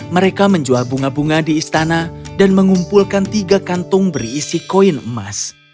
mereka menjual bunga bunga di istana dan mengumpulkan tiga kantung berisi koin emas